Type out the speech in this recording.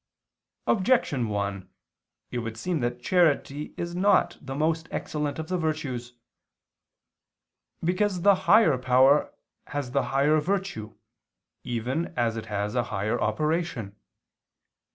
Objection 1: It would seem that charity is not the most excellent of the virtues. Because the higher power has the higher virtue even as it has a higher operation.